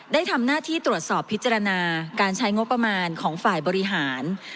ได้ทำหน้าที่ตรวจสอบพิจารณาการใช้งบประมาณของฝ่ายบริหาร